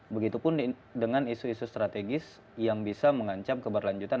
begitupun dengan isu isu strategis yang bisa mengancam keberlanjutan